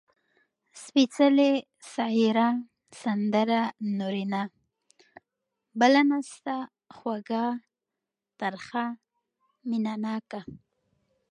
سپېڅلې ، سايره ، سندره، نورينه . بله نسته، خوږَه، ترخه . مينه ناکه